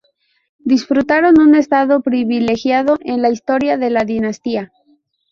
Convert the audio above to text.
Disfrutaron un estado privilegiado en la historia de la dinastía.